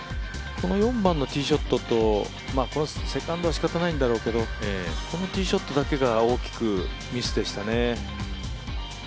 この４番のティーショットとセカンドはしかたないんだろうけどこのティーショットだけが大きくミスでしたね。